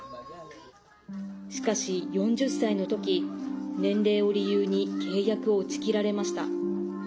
しかし４０歳の時、年齢を理由に契約を打ち切られました。